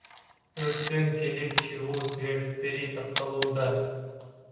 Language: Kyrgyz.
Өрттүн келип чыгуу себептери такталууда.